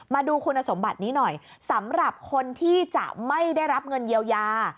มาดูคุณสมบัตินี้หน่อยสำหรับคนที่จะไม่ได้รับเงินเยียวยา